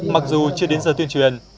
mặc dù chưa đến giờ tuyên truyền